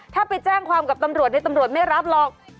ถ้าไปแจ้งความกับตำรวจในตำรวจตำรวจไม่รับหรอก